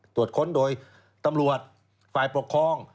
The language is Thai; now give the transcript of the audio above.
ตรวจค้นโดยตำรวจฝ่ายปกครอง